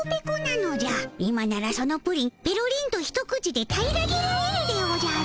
今ならそのプリンぺろりんと一口で平らげられるでおじゃる。